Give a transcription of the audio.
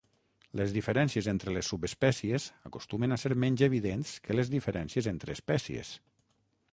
Les diferències entre les subespècies acostumen a ser menys evidents que les diferències entre espècies.